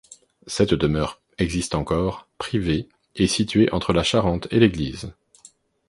Cette demeure existe encore, privée et située entre la Charente et l'église.